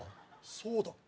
そうだ！